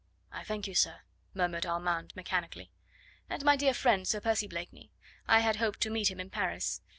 "I thank you, sir," murmured Armand mechanically. "And my dear friend, Sir Percy Blakeney? I had hoped to meet him in Paris.